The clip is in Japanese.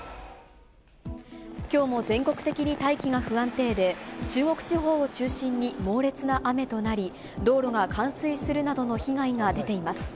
きょうも全国的に大気が不安定で、中国地方を中心に猛烈な雨となり、道路が冠水するなどの被害が出ています。